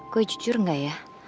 gue jujur gak ya